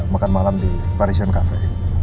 makan malam di parisan cafe